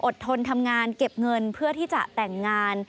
ทนทำงานเก็บเงินเพื่อที่จะแต่งงาน